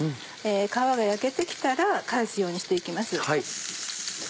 皮が焼けて来たら返すようにして行きます。